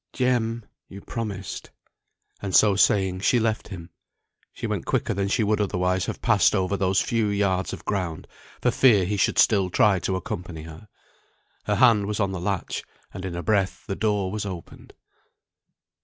Jem, you promised " And so saying she left him. She went quicker than she would otherwise have passed over those few yards of ground, for fear he should still try to accompany her. Her hand was on the latch, and in a breath the door was opened.